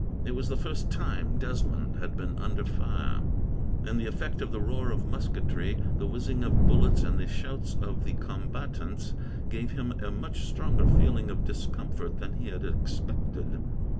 It was the first time Desmond had been under fire, and the effect of the roar of musketry, the whizzing of bullets, and the shouts of the combatants, gave him a much stronger feeling of discomfort than he had expected.